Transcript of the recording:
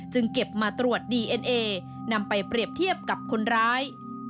เก็บมาตรวจดีเอ็นเอนำไปเปรียบเทียบกับคนร้าย